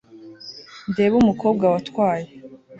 ndebe umukobwa watwaye